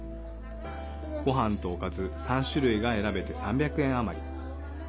ご飯とおかず３種類が選べて３００円余り。